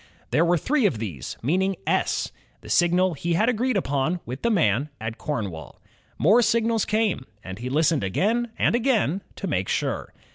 There were three of these, meaning ^*S," the signal he had agreed upon with the man at Cornwall. More signals came, and he listened again and again to make sure.